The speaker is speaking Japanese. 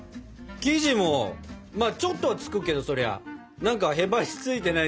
生地もちょっとはつくけどそりゃ何かへばりついてないし。